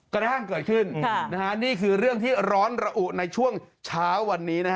กระทั่งเกิดขึ้นนี่คือเรื่องที่ร้อนระอุในช่วงเช้าวันนี้